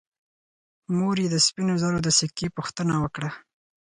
مور یې د سپینو زرو د سکې پوښتنه وکړه.